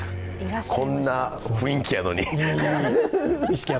こんな雰囲気やのに。